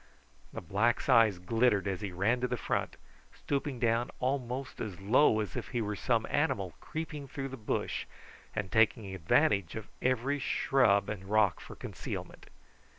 The black's eyes glittered as he ran to the front, stooping down almost as low as if he were some animal creeping through the bush, and taking advantage of every shrub and rock for concealment.